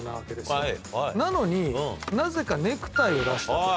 なのになぜかネクタイを出した。